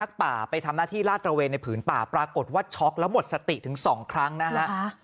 ป่าไปทำหน้าที่ลาดตระเวนในผืนป่าปรากฏว่าช็อกแล้วหมดสติถึงสองครั้งนะฮะ